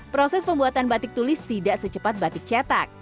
proses pembuatan batik tulis tidak secepat batik cetak